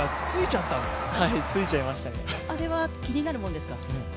あれは気になるものですか？